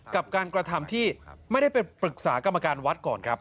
กับการกระทำที่ไม่ได้ไปปรึกษากรรมการวัดก่อนครับ